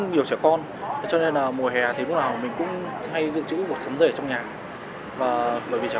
bột sắn cho nên là mùa hè thì lúc nào mình cũng hay dự trữ bột sắn dây trong nhà và bởi vì trẻ